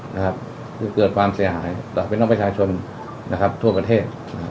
นะครับเกิดความเสียหายต่อไปนอกประชาชนนะครับทั่วประเทศนะครับ